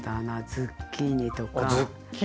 ズッキーニとか。